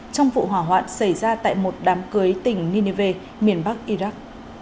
trong vụ hỏa hoạn xảy ra tại một đám cưới tỉnh nineve miền bắc iraq